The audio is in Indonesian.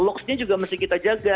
locksnya juga mesti kita jaga